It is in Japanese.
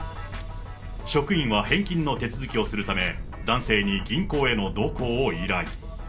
職員は返金の手続きをするため、男性に銀行への同行を依頼。